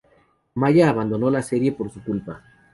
Maya abandonó la serie por su culpa.